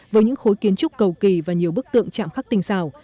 với những khối kiến trúc cầu kỳ và nhiều bức tượng chạm khắc tinh xảo